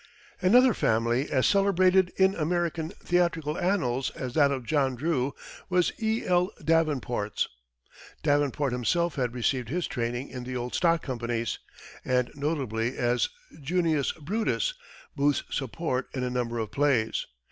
Another family as celebrated in American theatrical annals as that of John Drew was E. L. Davenport's. Davenport himself had received his training in the old stock companies, and notably as Junius Brutus Booth's support in a number of plays.